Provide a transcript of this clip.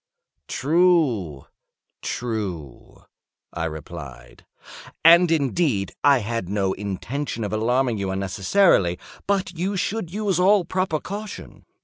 "True—true," I replied; "and, indeed, I had no intention of alarming you unnecessarily—but you should use all proper caution.